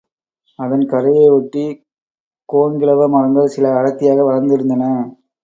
அதன் கரையை ஒட்டிக் கோங்கிலவ மரங்கள் சில அடர்த்தியாக வளர்ந் திருந்தன.